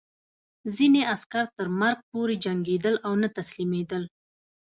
ځینې عسکر تر مرګ پورې جنګېدل او نه تسلیمېدل